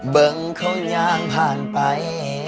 ปึ่งเขายางพามไป